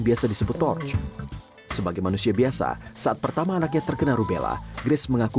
biasa disebut torch sebagai manusia biasa saat pertama anaknya terkena rubella grace mengaku